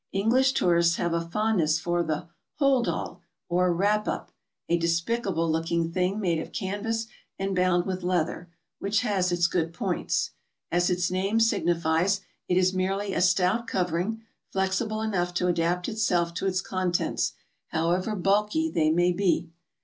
English tourists have a fondness for the "hold all," or "wrap up," a despicable looking thing made O'f canvas and bound with leather, which has its good points. As its name signifies, it is merely a stout covering, flexible enough to adapt itself to its contents, however bulky they may be.